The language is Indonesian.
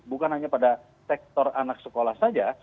bukan hanya pada sektor anak sekolah saja